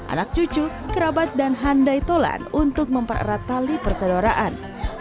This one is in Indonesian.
anak cucu kerabat dan handai tolan untuk mempererat tali persaudaraan